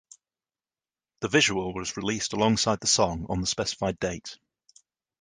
The visual was released alongside the song on the specified date.